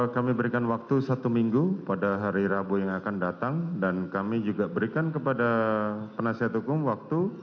kami berikan waktu satu minggu pada hari rabu yang akan datang dan kami juga berikan kepada penasihat hukum waktu